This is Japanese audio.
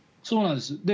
そうなんです。